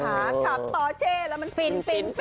ขับต่อเช่แล้วมันฟิน